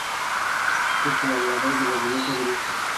La disminución de estas palmas pudo haber sellado el destino del ave.